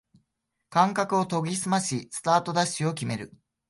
感覚を研ぎすましスタートダッシュを決める